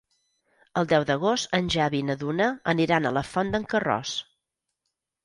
El deu d'agost en Xavi i na Duna aniran a la Font d'en Carròs.